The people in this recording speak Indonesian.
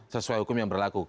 sesuai hukum yang berlaku